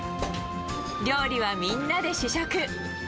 料理はみんなで試食。